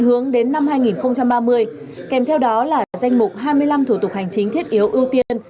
hướng đến năm hai nghìn ba mươi kèm theo đó là danh mục hai mươi năm thủ tục hành chính thiết yếu ưu tiên